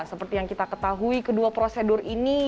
seperti yang kita ketahui kedua prosedur ini